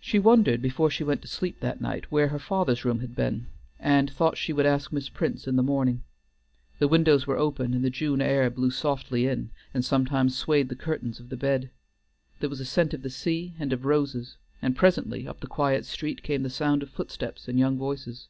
She wondered, before she went to sleep that night, where her father's room had been, and thought she would ask Miss Prince in the morning. The windows were open, and the June air blew softly in, and sometimes swayed the curtains of the bed. There was a scent of the sea and of roses, and presently up the quiet street came the sound of footsteps and young voices.